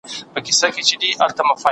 زه کولای سم کتاب وليکم؟!؟!